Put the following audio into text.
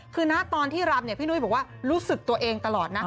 คือนะตอนที่รำเนี่ยพี่นุ้ยบอกว่ารู้สึกตัวเองตลอดนะ